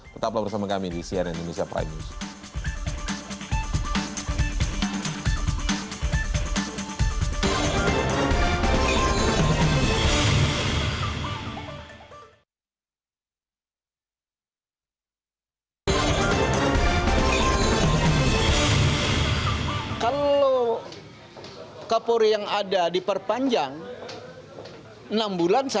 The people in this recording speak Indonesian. tetaplah bersama kami di cnn indonesia prime news